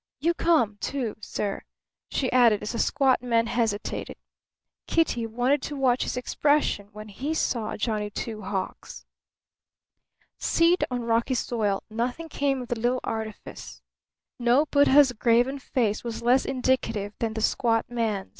"You come, too, sir," she added as the squat man hesitated. Kitty wanted to watch his expression when he saw Johnny Two Hawks. Seed on rocky soil; nothing came of the little artifice. No Buddha's graven face was less indicative than the squat man's.